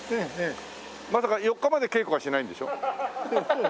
まさか４日まで稽古はしないんでしょ？